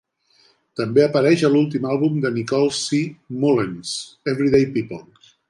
També apareix a l'últim àlbum de Nicole C. Mullens, "Everyday People".